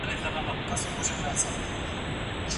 ګډه څېړنه له یوازي څېړني څخه ګټوره ده.